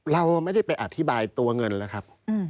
เราไม่ได้ไปอธิบายตัวเงินแล้วครับ